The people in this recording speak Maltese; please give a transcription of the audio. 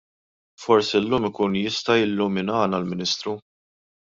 Forsi llum ikun jista' jilluminana l-Ministru.